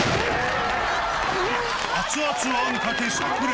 熱々あんかけさく裂。